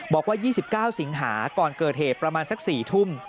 บอกว่า๒๙สิงหาก่อนเกิดเหตุประมาณสัก๔ทุ่ม